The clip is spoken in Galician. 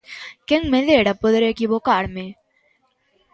¡Quen me dera poder equivocarme!